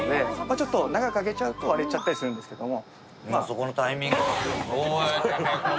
ちょっと長く揚げちゃうと割れちゃったりするんですけれども。